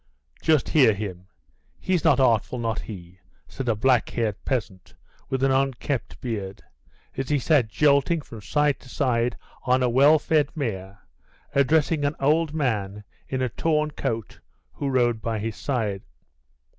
"Just hear him; he's not artful, not he," said a blackhaired peasant, with an unkempt beard, as he sat jolting from side to side on a well fed mare, addressing an old man in a torn coat who rode by his side.